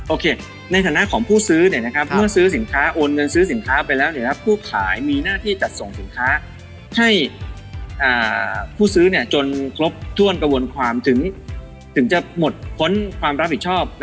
ในฐานะของผู้ซื้อเมื่อซื้อสินค้าโอนเงินซื้อสินค้าไปแล้วผู้ขายมีหน้าที่จัดส่งสินค้าให้ผู้ซื้อจนครบถ้วนกระบวนความถึงจะหมดพ้นความรับผิดชอบ